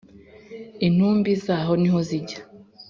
intumbi zaho ni ho zijya